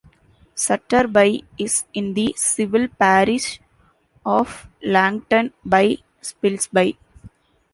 Sutterby is in the civil parish of Langton by Spilsby.